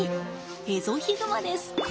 エゾヒグマです。